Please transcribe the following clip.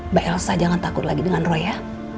mbak elsa jangan takut lagi dengan roy ya